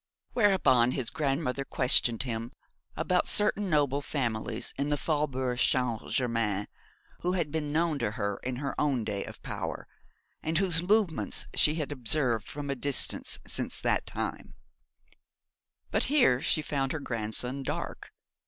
Whereupon his grandmother questioned him about certain noble families in the Faubourg Saint Germain who had been known to her in her own day of power, and whose movements she had observed from a distance since that time; but here she found her grandson dark.